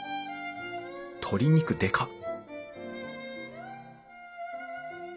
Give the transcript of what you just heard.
鶏肉でかっ！